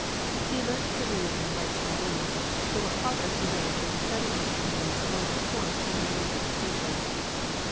He learnt to read and write Chinese, though what progress he had made in the study of the Classics was of course only known to his teachers.